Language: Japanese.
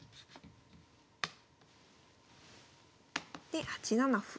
で８七歩。